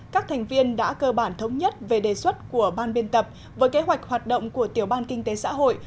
các thành viên đã cơ bản thống nhất về đề xuất của ban biên tập với kế hoạch hoạt động của tiểu ban kinh tế xã hội